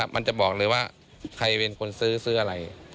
มันจะบอกเลยว่าใครเป็นคนซื้อซื้ออะไร